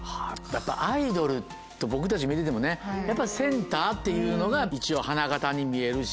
アイドルと僕たち見ててもねやっぱりセンターっていうのが一応花形に見えるし。